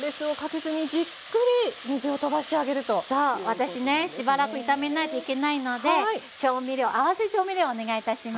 私ねしばらく炒めないといけないので調味料合わせ調味料お願いいたします。